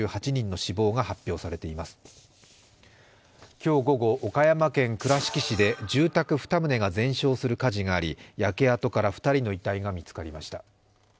今日午後、岡山県倉敷市で住宅２棟が全焼する火事があり焼け跡から２人の遺体が見つかりました。